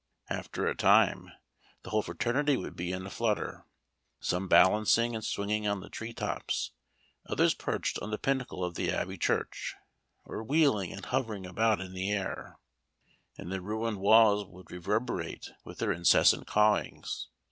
After a time, the whole fraternity would be in a flutter; some balancing and swinging on the tree tops, others perched on the pinnacle of the Abbey church, or wheeling and hovering about in the air, and the ruined walls would reverberate with their incessant cawings.